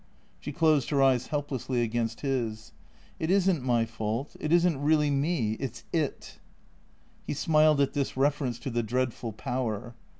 She closed her eyes helplessly against his. " It is n't my fault. It is n't really me. It 's It." He smiled at this reference to the dreadful Power.